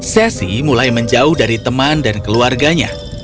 sesi mulai menjauh dari teman dan keluarganya